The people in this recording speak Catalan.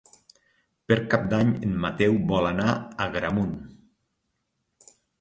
Per Cap d'Any en Mateu vol anar a Agramunt.